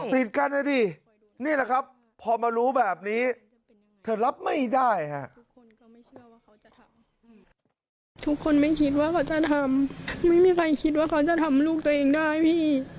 ติดกันครับนี่แหละครับพอมารู้แบบนี้เธอรับไม่ได้